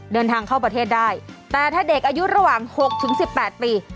เดินทางเข้าประเทศได้แต่ถ้าเด็กอายุระหว่าง๖๑๘ปี